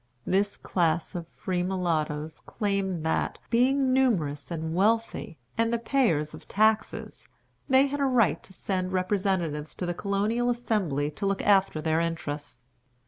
This class of free mulattoes claimed that, being numerous and wealthy, and the payers of taxes, they had a right to send representatives to the Colonial Assembly to look after their interests.